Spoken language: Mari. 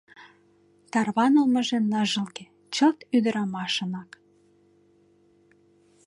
Тарванылмыже ныжылге, чылт ӱдырамашынак.